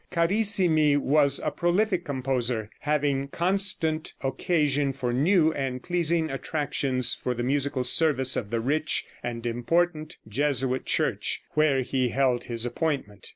Carissimi was a prolific composer, having constant occasion for new and pleasing attractions for the musical service of the rich and important Jesuit church, where he held his appointment.